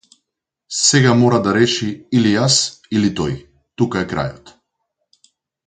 Сега мора да реши или јас или тој тука е крајот.